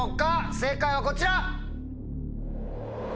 正解はこちら！